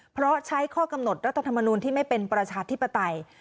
เพราะใช้ข้อกำหนดรัฐธรรมนูลที่ไม่เป็นประชาธิปไตย